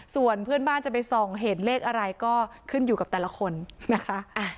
ส่วนเพื่อนบ้านจะไปส่องเห็นเลขอะไรก็ขึ้นอยู่กับแต่ละคนนะคะ